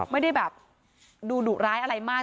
ไม่ได้แบบดูดุร้ายอะไรมาก